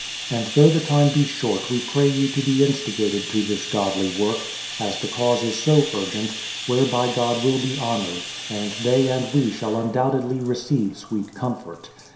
And though the time be short we pray you to be instigated to tliis godly work, as the cause is so urgent, whereby God will be hon oured, and they and we shall undoubtedly receive sweet comfort.